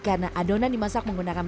karena adonan dimasak menggunakan